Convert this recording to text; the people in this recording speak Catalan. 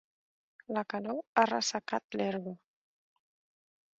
La calor ha ressecat l'herba.